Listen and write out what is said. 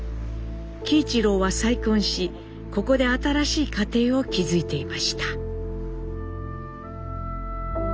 喜一郎は再婚しここで新しい家庭を築いていました。